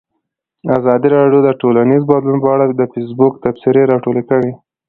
ازادي راډیو د ټولنیز بدلون په اړه د فیسبوک تبصرې راټولې کړي.